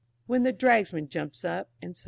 When the Dragsman jumps up, &c.